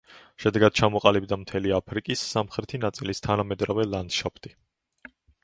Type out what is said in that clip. შედეგად ჩამოყალიბდა მთელი აფრიკის სამხრეთი ნაწილის თანამედროვე ლანდშაფტი.